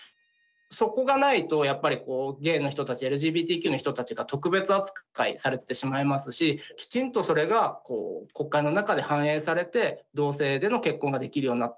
そこがないとやっぱりゲイの人たちＬＧＢＴＱの人たちが特別扱いされてしまいますしきちんとそれが国会の中で反映されて同性での結婚ができるようになった。